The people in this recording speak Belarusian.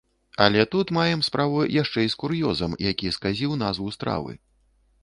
Але тут маем справу яшчэ і з кур'ёзам, які сказіў назву стравы.